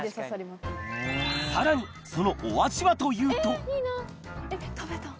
さらにそのお味はというと？